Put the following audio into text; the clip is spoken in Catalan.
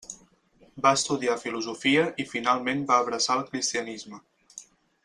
Va estudiar filosofia i finalment va abraçar el cristianisme.